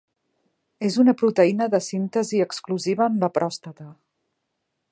És una proteïna de síntesi exclusiva en la pròstata.